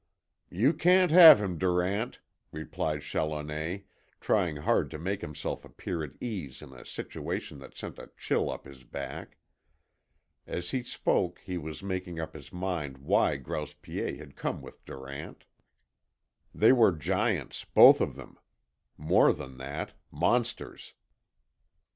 "You can't have him, Durant," replied Challoner, trying hard to make himself appear at ease in a situation that sent a chill up his back. As he spoke he was making up his mind why Grouse Piet had come with Durant. They were giants, both of them: more than that monsters.